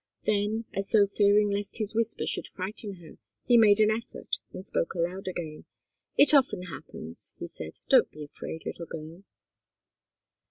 Then, as though fearing lest his whisper should frighten her, he made an effort and spoke aloud again. "It often happens," he said. "Don't be afraid, little girl."